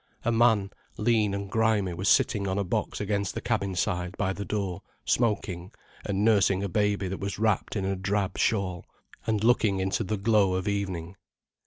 A man, lean and grimy, was sitting on a box against the cabin side by the door, smoking, and nursing a baby that was wrapped in a drab shawl, and looking into the glow of evening.